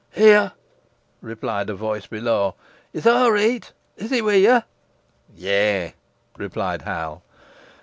"Here," replied a voice below. "Is aw reet? Is he wi' yo?" "Yeigh," replied Hal.